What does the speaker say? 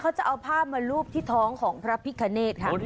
เขาจะเอาผ้ามารูปที่ท้องของพระพิคเนธค่ะ